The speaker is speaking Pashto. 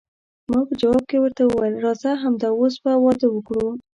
ما په جواب کې ورته وویل، راځه همد اوس به واده وکړو.